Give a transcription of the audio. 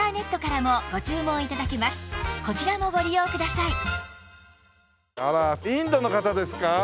さらにあらインドの方ですか？